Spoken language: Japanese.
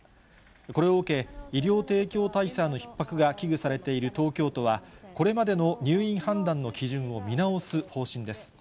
これを受け、医療提供体制のひっ迫が危惧されている東京都は、これまでの入院判断の基準を見直す方針です。